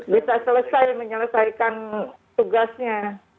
bisa selesai menyelesaikan tugasnya